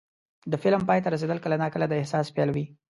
د فلم پای ته رسېدل کله ناکله د احساس پیل وي.